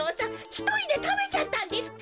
ひとりでたべちゃったんですか？